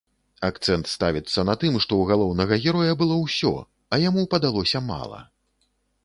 Акцэнт ставіцца на тым, што ў галоўнага героя было ўсё, а яму падалося мала.